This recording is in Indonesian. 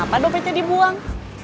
kenapa dompetnya dibuang